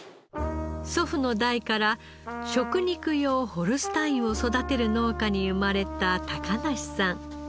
祖父の代から食肉用ホルスタインを育てる農家に生まれた梨さん。